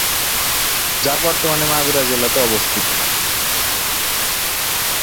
যা বর্তমানে মাগুরা জেলাতে অবস্থিত।